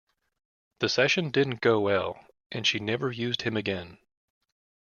The session didn't go well and she never used him again.